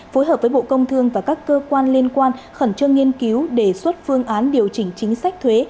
phối hợp với bộ công thương và các cơ quan liên quan khẩn trương nghiên cứu đề xuất phương án điều chỉnh chính sách thuế